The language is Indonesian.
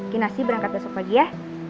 kinasi berangkat besok pagi ya